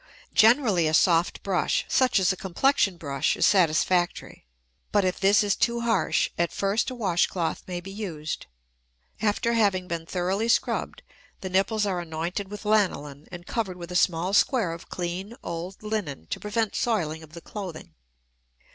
Generally, a soft brush, such as a complexion brush, is satisfactory; but if this is too harsh, at first a wash cloth may be used. After having been thoroughly scrubbed the nipples are anointed with lanolin and covered with a small square of clean, old linen to prevent soiling of the clothing.